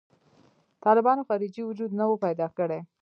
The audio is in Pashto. طالبانو خارجي وجود نه و پیدا کړی.